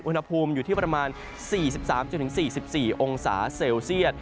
อุณหภูมิอยู่ที่ประมาณ๔๓๔๔องศาเซลเซียต